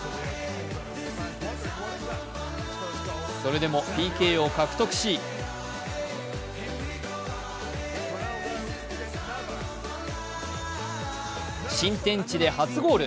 それでもＰＫを獲得し新天地で初ゴール。